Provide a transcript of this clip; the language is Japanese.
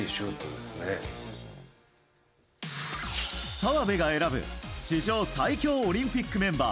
澤部が選ぶ史上最強オリンピックメンバー！